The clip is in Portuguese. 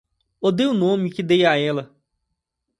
Odeio o nome que dei a ela